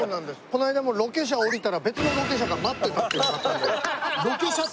この間もロケ車を降りたら別のロケ車が待ってたっていうのがあったので。